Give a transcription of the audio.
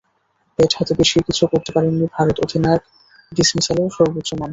Bat হাতে বেশি কিছু করতে পারেননি ভারত অধিনায়ক, ডিসমিসালেও সর্বোচ্চ নন।